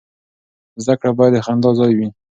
زده کړه باید د خندا ځای وي.